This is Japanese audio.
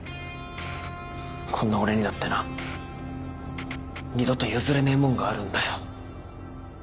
こんな俺にだってな二度と譲れねえもんがあるんだよ。